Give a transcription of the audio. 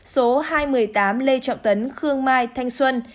số hai mươi tám lê trọng tấn khương mai thanh xuân